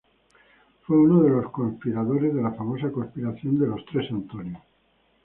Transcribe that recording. Fue uno de los co-conspiradores de la famosa Conspiración de los tres Antonios.